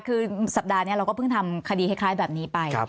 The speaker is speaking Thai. คือสัปดาห์นี้เราก็เพิ่งทำคดีคล้ายแบบนี้ไป